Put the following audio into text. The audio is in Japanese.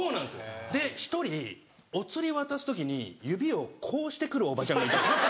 で１人お釣り渡す時に指をこうしてくるおばちゃんがいたんですよ。